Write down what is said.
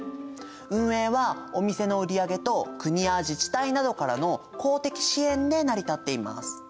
運営はお店の売り上げと国や自治体などからの公的支援で成り立っています。